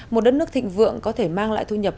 một đất nước thịnh vượng có thể mang lại thu nhập